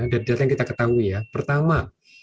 dari data yang kita ketahui ya pertama